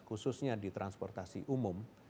khususnya di transportasi umum